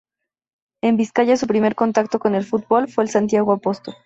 En Vizcaya, su primer contacto con el fútbol fue en el Santiago Apóstol.